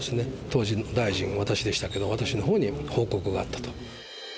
当時、大臣、私でしたけれども、私のほうに報告があったと。